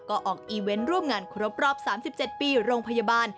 ก็ออกอีเวนต์ร่วมงานครบรอบ๓๗ปีโรงพยาบาล